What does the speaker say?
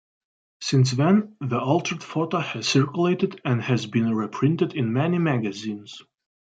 Since then, the altered photo has circulated and has been reprinted in many magazines.